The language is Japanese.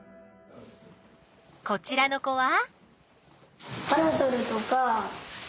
こちらの子は？